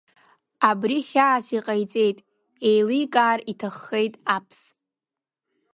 Абри хьаас иҟаиҵеит, еиликаар иҭаххеит Аԥс.